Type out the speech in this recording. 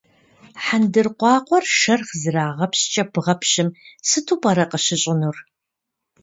Хьэндыркъуакъуэр шэрхъ зэрагъэпщкӏэ бгъэпщым сыту пӏэрэ къыщыщӏынур?